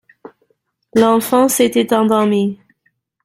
L'enfant s'était endormi.